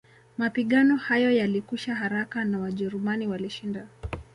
Mapigano hayo yalikwisha haraka na Wajerumani walishinda